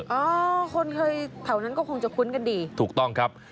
เออคนเคยแถวนั้นก็คงจะคุ้นกันดีถูกต้องครับ